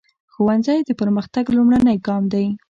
ښوونځی د پرمختګ لومړنی ګام دی.